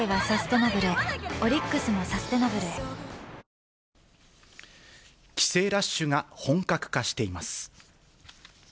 大濠が王者、帰省ラッシュが本格化しています。